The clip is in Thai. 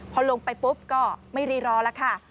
พอลงไปปุ๊บก็ไม่รีรอแล้วค่ะ